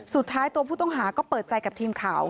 สุดท้ายตัวผู้ต้องหาก็เปิดใจกับทีมข่าว